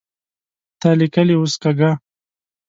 تا ليکلې اوس کږه